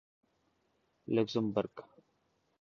Luxembourg